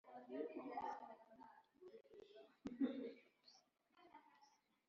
amasaro imiringa bakabigurana impu hari ikindi gice cy abacuruzi